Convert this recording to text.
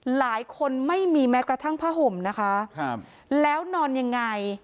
ไม่มีแม้กระทั่งผ้าห่มนะคะครับแล้วนอนยังไง